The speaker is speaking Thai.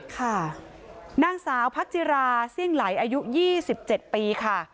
ค่ะนางสาวพักจิราเซี่ยงไหลอายุ๒๗ปีค่ะ